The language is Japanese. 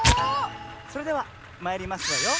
それではまいりますわよ。